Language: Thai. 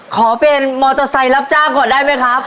ขอเป็นมอเตอร์ไซค์รับจ้างก่อนได้ไหมครับ